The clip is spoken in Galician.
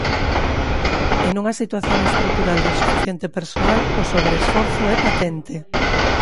E nunha situación estrutural de insuficiente persoal, o sobreesforzo é patente.